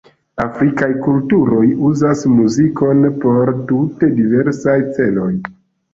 Afrikaj kulturoj uzas muzikon por tute diversaj celoj.